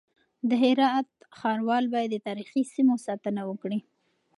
د هرات ښاروال بايد د تاريخي سيمو ساتنه وکړي.